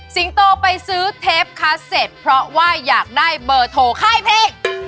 โตไปซื้อเทปคาเซ็ตเพราะว่าอยากได้เบอร์โทรค่ายเพลง